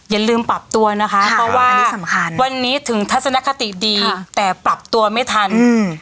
อย่าลืมปรับตัวนะคะเพราะว่าอันนี้สำคัญวันนี้ถึงทัศนคติดีแต่ปรับตัวไม่ทันอืม